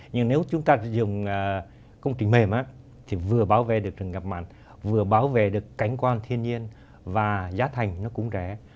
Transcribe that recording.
nhưng nếu chúng ta dùng công trình mềm thì vừa bảo vệ được rừng ngập mặn vừa bảo vệ được cảnh quan thiên nhiên và giá thành nó cũng rẻ